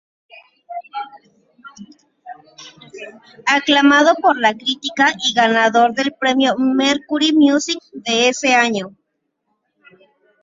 Aclamado por la crítica y ganador del premio Mercury Music de ese año.